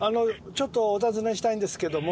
ちょっとお尋ねしたいんですけども。